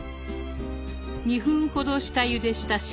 ２分ほど下ゆでした